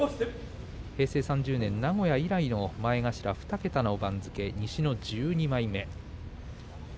平成３０年、名古屋以来の前頭２桁の番付、西の１２枚目。